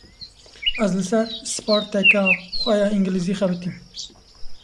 Ez li ser sparteka xwe ya îngilîzî xebitîm.